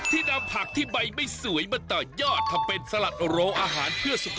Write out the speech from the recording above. นำผักที่ใบไม่สวยมาต่อยอดทำเป็นสลัดโรอาหารเพื่อสุขภาพ